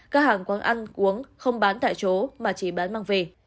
các hàng quán ăn uống không bán tại chỗ mà chỉ bán mang về